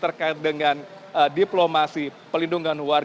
terkait dengan diplomasi pelindungan